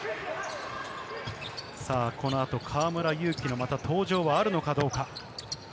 この後、河村勇輝の登場はあるのかどうか？